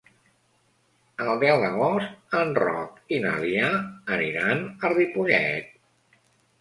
El deu d'agost en Roc i na Lia aniran a Ripollet.